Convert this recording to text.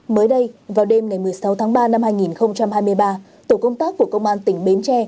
mới đây vào đêm ngày một mươi sáu tháng ba năm hai nghìn hai mươi ba tổ công tác của công an tỉnh bến tre